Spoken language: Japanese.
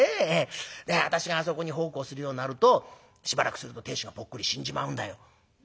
で私があそこに奉公するようになるとしばらくすると亭主がぽっくり死んじまうんだよ」。